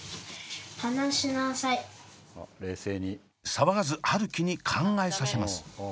騒がず春輝に考えさせます。